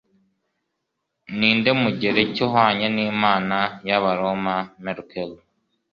Ninde Mugereki uhwanye n'Imana y'Abaroma Mercure?